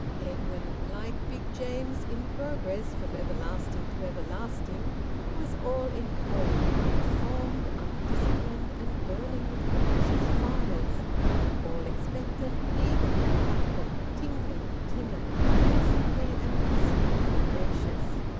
Edwin, like Big James in progress from everlasting to everlasting, was all inchoate, unformed, undisciplined, and burning with capricious fires; all expectant, eager, reluctant, tingling, timid, innocently and wistfully audacious.